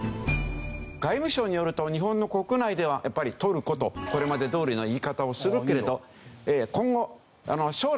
外務省によると日本の国内ではやっぱりトルコとこれまでどおりの言い方をするけれど今後将来ですね